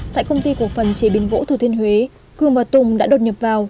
tại công ty của phần chế biến vỗ thủ thiên huế cường và tùng đã đột nhập vào